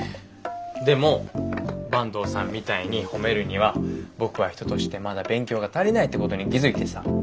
でも坂東さんみたいに褒めるには僕は人としてまだ勉強が足りないってことに気付いてさ。